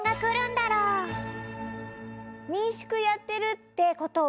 しゅくやってるってこと